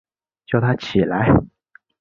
叫他起来